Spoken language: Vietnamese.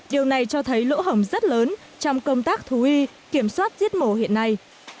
điều này cho thấy lỗ hồng rất lớn trong công tác thú y kiểm soát giết mổ hiện nay